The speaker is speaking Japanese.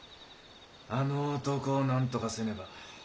あの男をなんとかせねば。